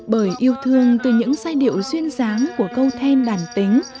bởi yêu thương từ những giai điệu duyên dáng của câu then đàn tính